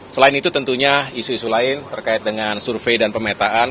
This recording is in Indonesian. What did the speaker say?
selain itu tentunya isu isu lain terkait dengan survei dan pemetaan